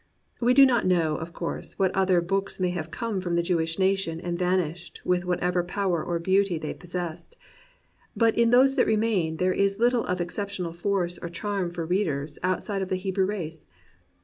We do not know, of course, what other books may have come from the Jewish nation and vanished with whatever of power or beauty they possessed; but in those that remain there is little of exceptional force or charm for readers outside of the Hebrew race.